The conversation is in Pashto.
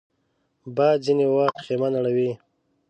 باد ځینې وخت خېمه نړوي